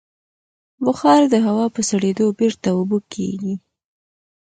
بخار د هوا په سړېدو بېرته اوبه کېږي.